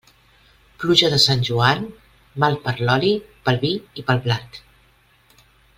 Pluja de Sant Joan, mal per l'oli, pel vi i pel blat.